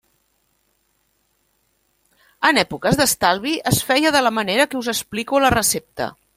En èpoques d'estalvi es feia de la manera que us explico a la recepta.